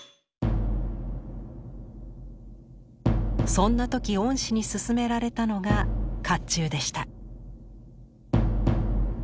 そんな時恩師に勧められたのが甲冑でした。